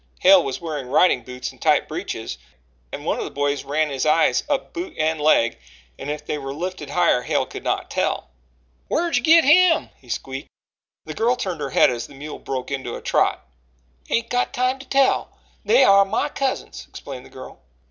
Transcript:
Hale was wearing riding boots and tight breeches, and one of the boys ran his eyes up boot and leg and if they were lifted higher, Hale could not tell. "Whar'd you git him?" he squeaked. The girl turned her head as the mule broke into a trot. "Ain't got time to tell. They are my cousins," explained the girl.